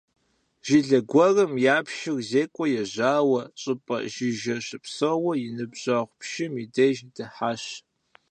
Жылэ гуэрым япщыр зекӀуэ ежьауэ щӏыпӏэ жыжьэ щыпсэу и ныбжьэгъу пщым и деж дыхьащ.